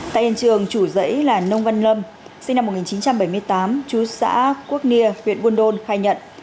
tại hiện trường chủ dãy là nông văn lâm sinh năm một nghìn chín trăm bảy mươi tám chú xã quốc nia huyện buôn đôn khai nhận